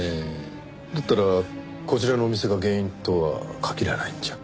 だったらこちらのお店が原因とは限らないんじゃ。